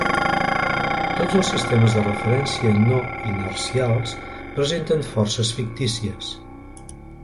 Tots els sistemes de referència no inercials presenten forces fictícies.